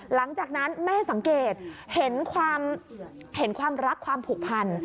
หลังจากนั้นแม่สังเกตเห็นความเห็นความรักความผูกพัน